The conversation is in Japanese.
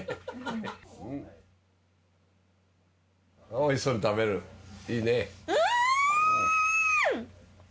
おいしそうに食べるいいね。